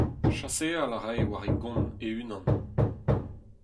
Chaseal a rae war e gont e-unan.